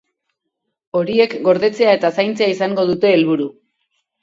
Horiek gordetzea eta zaintzea izango dute helburu.